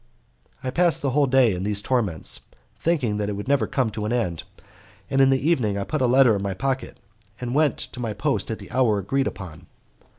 I passed the whole day in these torments, thinking it would never come to an end, and in the evening I put a letter in my pocket, and went to my post at the hour agreed upon.